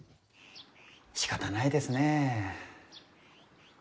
しかたないですねえ。